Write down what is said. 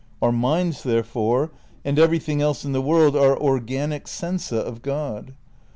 Our minds, therefore, and everything else in the world are 'organic sensa' of God.